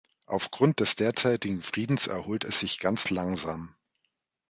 Aufgrund des derzeitigen Friedens erholt es sich ganz langsam.